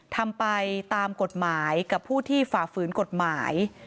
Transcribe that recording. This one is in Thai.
ทำไปตามกฎหมายกับผู้ที่ฝ่าฝืนกฎหมาย